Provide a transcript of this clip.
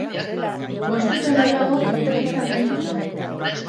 Bost urte geroago doktoretza amaitu zuen.